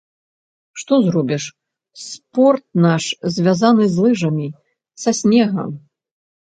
Што зробіш, спорт наш звязаны з лыжамі, са снегам.